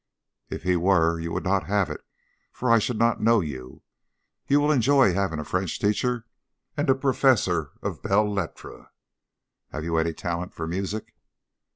"If he were you would not have it, for I should not know of you. You will enjoy having a French teacher and a Professor of Belles Lettres. Have you any talent for music?"